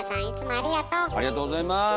ありがとうございます！